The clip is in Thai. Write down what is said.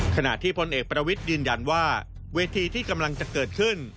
ขณะที่พลเอกประวิทย์ยืนยันว่าเวทีที่กำลังจะเกิดขึ้น